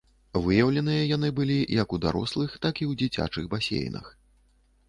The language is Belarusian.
Выяўленыя яны былі як у дарослых, так і ў дзіцячых басейнах.